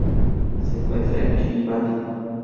Se encuentra en Kiribati.